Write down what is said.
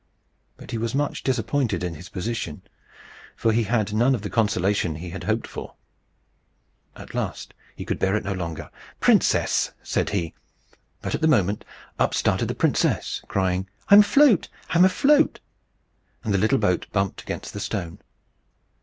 But he was much disappointed in his position, for he had none of the consolation he had hoped for. At last he could bear it no longer. "Princess!" said he. But at the moment up started the princess, crying, "I'm afloat! I'm afloat!" And the little boat bumped against the stone.